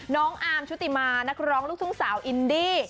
น้องอาร์มชุติมานักร้องลูกทุ่งสาวอินดี้